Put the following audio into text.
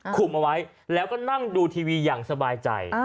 คุมเอาไว้แล้วก็นั่งดูทีวีอย่างสบายใจ